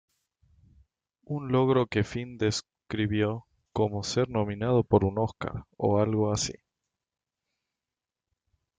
Un logro que Finn describió como "ser nominado por un Oscar, o algo así".